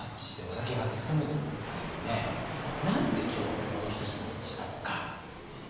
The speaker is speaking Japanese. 何で今日はこの一品にしたのかご覧頂きます。